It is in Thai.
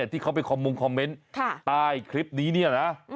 ที่เขาไปคอมมงคอมเมนต์ใต้คลิปนี้เนี่ยนะ